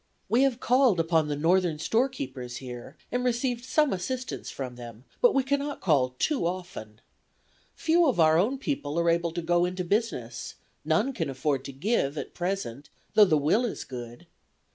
We have called upon the Northern storekeepers here and received some assistance from them, but we cannot call too often. Few of our own people are able to go into business; none can afford to give at present, though the will is good.